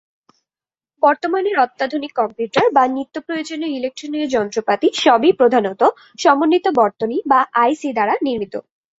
বর্তমানের অত্যাধুনিক কম্পিউটার বা নিত্যপ্রয়োজনীয় ইলেকট্রনীয় যন্ত্রপাতি সবই প্রধানত সমন্বিত বর্তনী বা আই সি দ্বারা নির্মিত।